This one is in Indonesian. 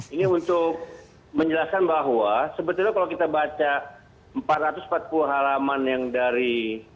ini untuk menjelaskan bahwa sebetulnya kalau kita baca empat ratus empat puluh halaman yang dari